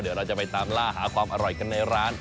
เดี๋ยวเราจะไปตามล่าหาความอร่อยกันในร้าน